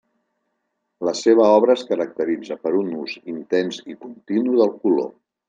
La seva obra es caracteritza per un ús intens i continu del color.